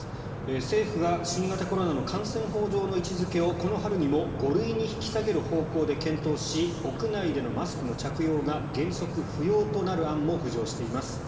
政府が新型コロナの感染症法の位置付けをこの春にも５類に引き下げる方向で屋内でのマスクの着用が原則不要となる案も浮上しています。